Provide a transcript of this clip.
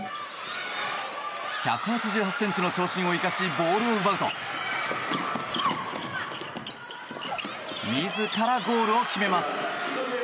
１８８ｃｍの長身を生かしボールを奪うと自らゴールを決めます。